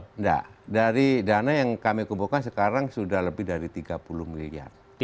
tidak dari dana yang kami kumpulkan sekarang sudah lebih dari tiga puluh miliar